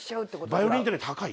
ヴァイオリンってね高い。